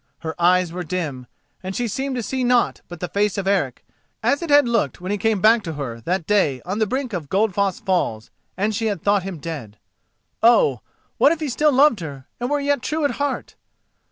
Her eyes were dim, and she seemed to see naught but the face of Eric as it had looked when he came back to her that day on the brink of Goldfoss Falls and she had thought him dead. Oh! what if he still loved her and were yet true at heart?